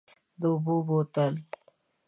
د اوبو بوتل،